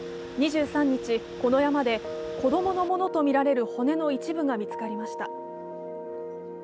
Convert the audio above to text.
２３日、この山で、子供のものとみられる骨の一部が見つかりました。